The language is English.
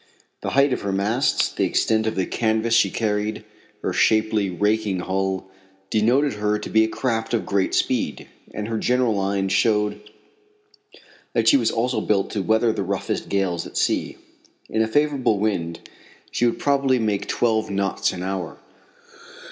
The height of her masts, the extent of the canvas she carried, her shapely, raking hull, denoted her to be a craft of great speed, and her general lines showed that she was also built to weather the roughest gales at sea. In a favorable wind she would probably make twelve knots an hour.